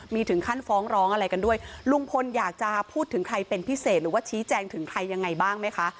มีถึงขั้นฟ้องร้องอะไรกันด้วยลุงพลอยากจะพูดถึงใครเป็นพิเศษหรือว่าชี้แจงถึงใครยังไงบ้างไหมคะ